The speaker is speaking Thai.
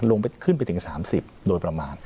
ลงไปขึ้นไปถึงสามสิบโดยประมาณ